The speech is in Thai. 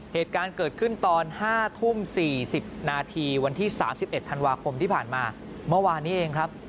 เหตุการณ์เกิดขึ้นตอน๕ทุ่ม๔๐นาทีวันที่๓๑ธันวาคมที่ผ่านมาเมื่อวานนี้เองครับ